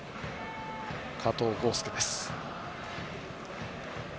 加藤豪将です。